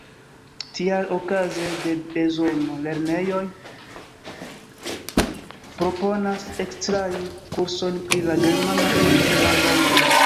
Tial, okaze de bezono, lernejoj proponas ekstrajn kursojn pri la germana por eksterlandanoj.